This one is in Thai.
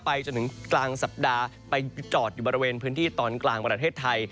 จนถึงกลางสัปดาห์ไปจอดอยู่บริเวณพื้นที่ตอนกลางประเทศไทย